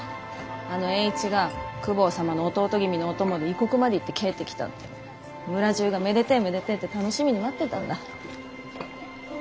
あの栄一が公方様の弟君のお供で異国まで行って帰ってきたって村中が「めでてぇめでてぇ」って楽しみに待ってたんだ。